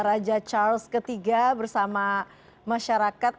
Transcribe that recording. raja charles iii bersama masyarakat